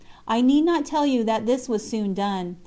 I need not tell you that this was soon done.